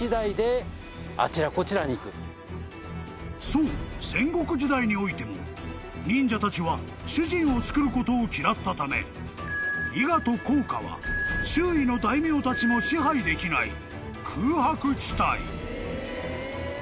［そう戦国時代においても忍者たちは主人をつくることを嫌ったため伊賀と甲賀は周囲の大名たちも支配できない空白地帯］